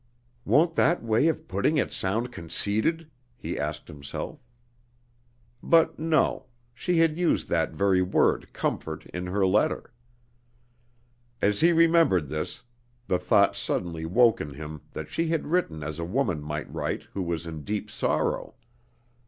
"Won't that way of putting it sound conceited?" he asked himself. But no; she had used that very word "comfort" in her letter. As he remembered this, the thought suddenly woke in him that she had written as a woman might write who was in deep sorrow.